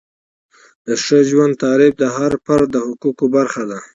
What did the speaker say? د ښه ژوند تعریف د هر فرد د حقوقو برخه ده.